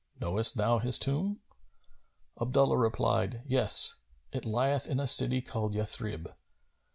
Knowest thou his tomb?" Abdullah replied, "Yes; it lieth in a city called Yathrib.